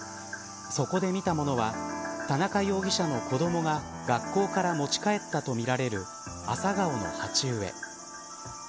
そこで見たものは田中容疑者の子どもが学校から持ち帰ったとみられるアサガオの鉢植え。